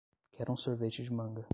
Quero um sorvete de manga